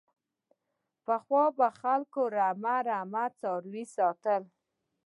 پخوا به خلکو رمه رمه څاروي ساتل.